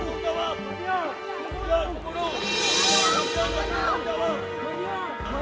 mardian kamu jalan